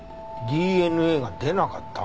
ＤＮＡが出なかった？